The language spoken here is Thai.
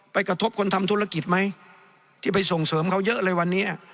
กระทบคนทำธุรกิจไหมที่ไปส่งเสริมเขาเยอะเลยวันนี้